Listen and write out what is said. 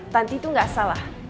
tanti itu gak salah